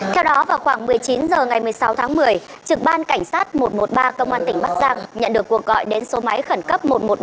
theo đó vào khoảng một mươi chín h ngày một mươi sáu tháng một mươi trực ban cảnh sát một trăm một mươi ba công an tỉnh bắc giang nhận được cuộc gọi đến số máy khẩn cấp một trăm một mươi ba